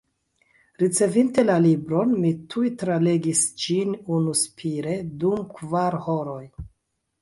Ricevinte la libron, mi tuj tralegis ĝin unuspire dum kvar horoj.